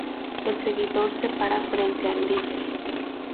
El seguidor se para frente al líder.